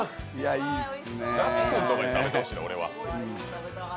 那須君とかに食べてほしいねん俺は。